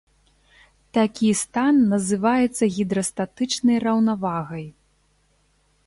Такі стан называецца гідрастатычнай раўнавагай.